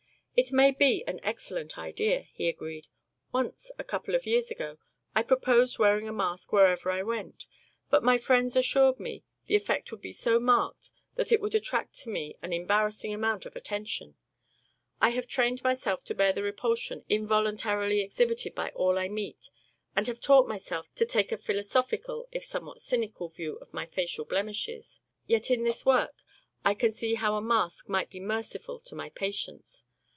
"It may be an excellent idea," he agreed. "Once, a couple of years ago, I proposed wearing a mask wherever I went, but my friends assured me the effect would be so marked that it would attract to me an embarrassing amount of attention. I have trained myself to bear the repulsion involuntarily exhibited by all I meet and have taught myself to take a philosophic, if somewhat cynical, view of my facial blemishes; yet in this work I can see how a mask might be merciful to my patients.